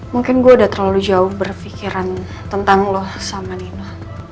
mungkin gue udah terlalu jauh berpikiran tentang lo sama nina